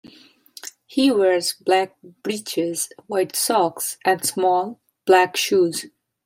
He wears black breeches, white socks and small, black shoes.